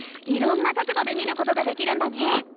いろんな角どで見ることができるんだね！